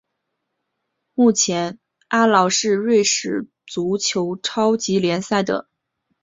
目前阿劳是瑞士足球超级联赛的参赛球队之一。